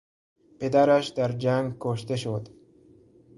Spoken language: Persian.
پدرش در جنگ کشته شد.